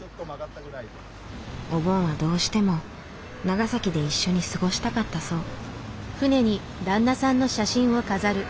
お盆はどうしても長崎で一緒に過ごしたかったそう。